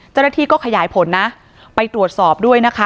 เจ้าหน้าที่ก็ขยายผลนะไปตรวจสอบด้วยนะคะ